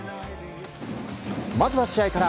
まずは試合から。